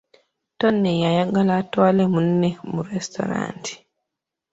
Tone yayagala atwale munne mu lesitulanta.